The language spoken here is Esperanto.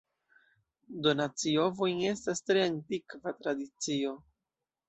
Donaci ovojn estas tre antikva tradicio.